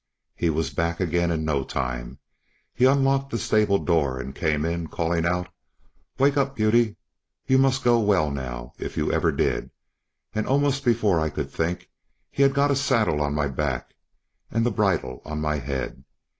He was back again in no time; he unlocked the stable door, and came in, calling out, "Wake up, Beauty! you must go well now, if ever you did"; and almost before I could think, he had got the saddle on my back and the bridle on my head.